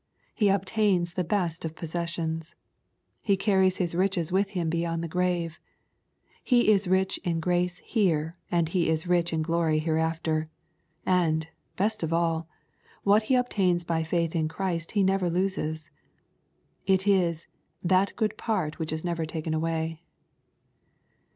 He obtains the best of possessions. He carries bis riches with him beyond the grave. He is rich in grace here, and he is rich in glory hereafter. And, best of all, what he obtains by faith in Christ he never loses. It is " that good part which is never taken away."